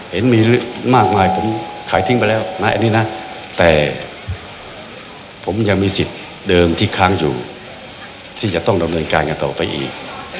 เห็นมีมากมายผมขายทิ้งไปแล้วนะอันนี้นะแต่ผมยังมีสิทธิ์เดิมที่ค้างอยู่ที่จะต้องดำเนินการกันต่อไปอีก